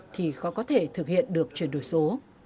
thì khó có thể thực hiện được chuyển đổi số